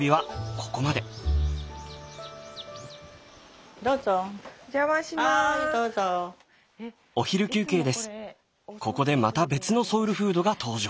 ここでまた別のソウルフードが登場。